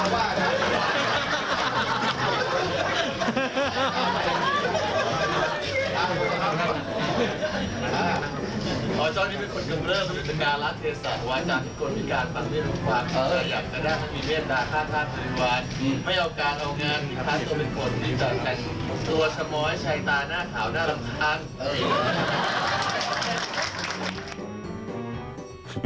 ไม่เอากาลคงเอาเงินถ้าตนเป็นคนที่จะเป็นตัวสมอยชัยตาหน้าขาวหน้ารำคาก